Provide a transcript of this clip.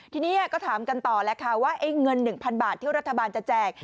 ทีนี้ก็ถามกันต่อแล้วค่ะว่าเงิน๑๐๐บาทที่รัฐบาลจะแจก